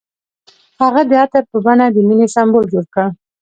هغه د عطر په بڼه د مینې سمبول جوړ کړ.